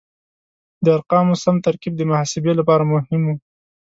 د ارقامو سم ترکیب د محاسبې لپاره مهم و.